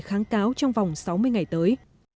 kháng cáo trong vòng sáu mươi ngày tới